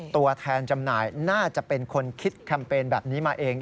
ตัวแทนจำหน่ายน่าจะเป็นคนคิดแคมเปญแบบนี้มาเอง